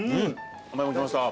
甘いもん来ました。